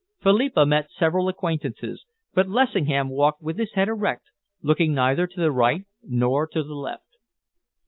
Philippa met several acquaintances, but Lessingham walked with his head erect, looking neither to the right nor to the left.